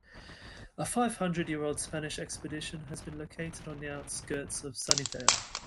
A five-hundred-year-old Spanish expedition has been located on the outskirts of Sunnydale.